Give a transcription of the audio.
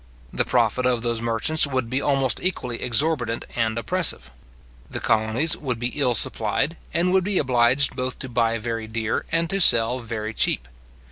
The profit of those merchants would be almost equally exorbitant and oppressive. The colonies would be ill supplied, and would be obliged both to buy very dear, and to sell very cheap.